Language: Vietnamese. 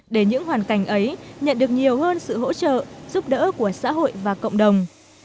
để những hoàn cảnh ấy nhận được nhiều hơn sự hỗ trợ giúp đỡ của xã hội và cộng đồng